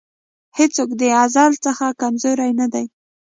هېڅوک د ازل څخه کمزوری نه دی.